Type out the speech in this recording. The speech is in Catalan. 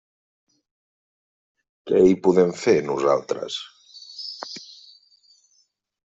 Què hi podem fer, nosaltres?